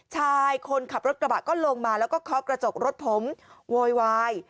ชายคนขับรถกระบะก็ลงมาแล้วก็เคาะกระจกรถผมโวยวาย